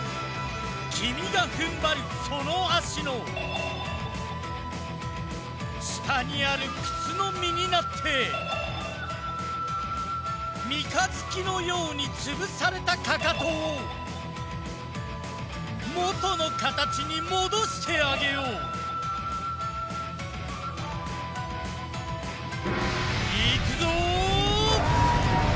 きみがふんばるそのあしのしたにある靴のみになってみかづきのようにつぶされたかかとをもとのかたちにもどしてあげよういくぞ！